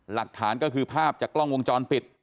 หลักฐานก็คือภาพจากกล้องวงจรปิด